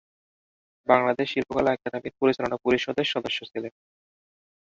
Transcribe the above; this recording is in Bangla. বাংলাদেশ শিল্পকলা একাডেমীর পরিচালনা পরিষদের সদস্য ছিলেন।